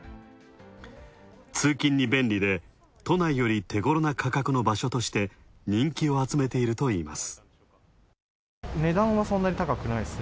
通勤に便利で都内より手ごろな場所として、人気を集めているといいます。